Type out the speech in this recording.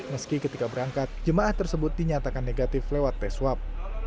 meski ketika berangkat jemaah tersebut dinyatakan negatif lewat tes swab